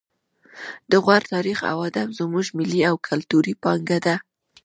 د غور تاریخ او ادب زموږ ملي او کلتوري پانګه ده